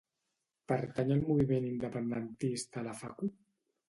Pertany al moviment independentista la Facu?